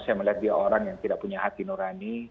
saya melihat dia orang yang tidak punya hati nurani